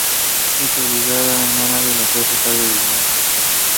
He had married Christina Menzies and had one son.